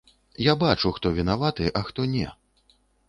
Я бачу, хто вінаваты, а хто не.